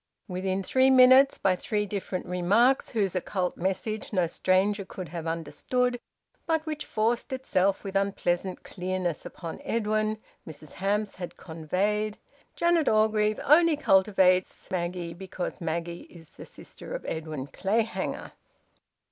Within three minutes, by three different remarks whose occult message no stranger could have understood but which forced itself with unpleasant clearness upon Edwin, Mrs Hamps had conveyed, "Janet Orgreave only cultivates Maggie because Maggie is the sister of Edwin Clayhanger."